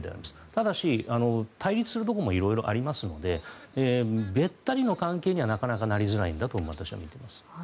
ただし対立するところもありますのでべったりの関係にはなかなかなりづらいんだと私は見ています。